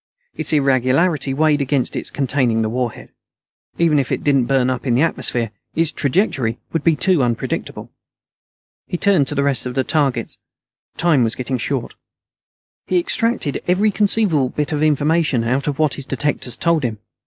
Its irregularity weighed against its containing the warhead. Even if it didn't burn up in the atmosphere, its trajectory would be too unpredictable. He turned to the rest of the targets. Time was getting short. He extracted every conceivable bit of information out of what his detectors told him.